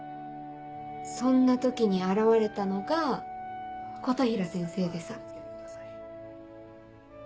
そんな時に現れたのが琴平先生でさ。